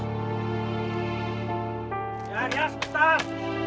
ya ya sebentar